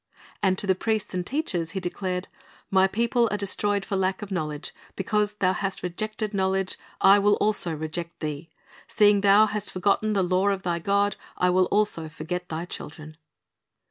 "' And to the priests and teachers He declared, "My people are destroyed for lack of knowledge; because thou hast rejected knowledge, I will also reject thee; ... seeing thou hast forgotten the law of thy God, I will also forget thy children."